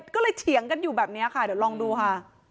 ก็เลยเถียงกันอยู่แบบนี้ค่ะเดี๋ยวลองดูค่ะ